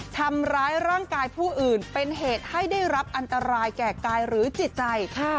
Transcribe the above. ทำร้ายร่างกายผู้อื่นเป็นเหตุให้ได้รับอันตรายแก่กายหรือจิตใจ